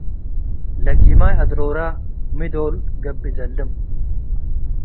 ለጊማይ አድሮረ ሚ ዶል ገብእ ዘልም?